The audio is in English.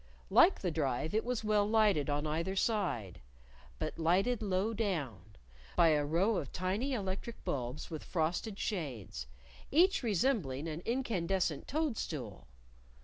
Like the Drive it was well lighted on either side (but lighted low down) by a row of tiny electric bulbs with frosted shades, each resembling an incandescent toadstool.